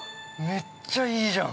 めっちゃいいじゃん。